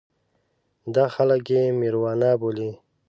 دا خلک یې مېروانا بولي.